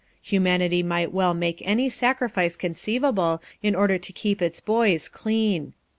Humanity might well make any sacrifice conceivable in order to keep its boys clean.